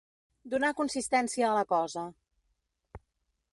Donar consistència a la cosa.